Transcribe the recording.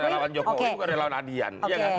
relawan jokowi bukan relawan adian